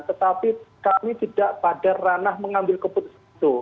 tetapi kami tidak pada ranah mengambil keputusan itu